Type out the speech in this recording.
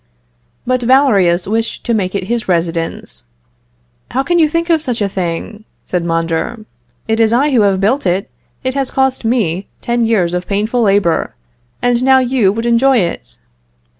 But Valerius wished to make it his residence. "How can you think of such a thing?" said Mondor; "it is I who have built it; it has cost me ten years of painful labor, and now you would enjoy it!"